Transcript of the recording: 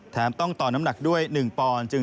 ต้องต่อน้ำหนักด้วย๑ปอนด์